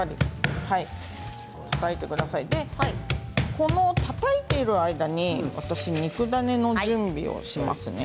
このたたいている間に私、肉ダネの準備をしますね。